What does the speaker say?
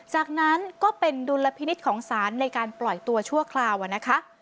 จากนั้นก็เป็นดุลพินิษฐ์ของศาลในการปล่อยตัวชั่วคราวนะคะ